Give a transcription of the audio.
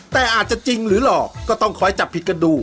แต่อาจจะจริงหรือหลอกก็ต้องคอยจับผิดกันดู